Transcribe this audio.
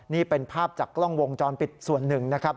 นี่เป็นภาพจากกล้องวงจรปิดส่วนหนึ่งนะครับ